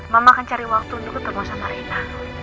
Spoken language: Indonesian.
mama akan cari waktu untuk ketemu sama rina